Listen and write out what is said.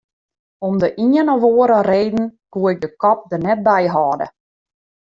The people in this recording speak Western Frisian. Om de ien of oare reden koe ik de kop der net by hâlde.